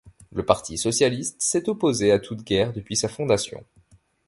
Le Parti socialiste s'est opposé à toute guerre depuis sa fondation.